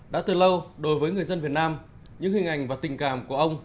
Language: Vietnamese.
đã từ lâu đối với người dân việt nam những hình ảnh và tình cảm của ông